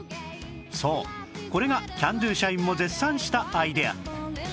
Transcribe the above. そうこれがキャンドゥ社員も絶賛したアイデア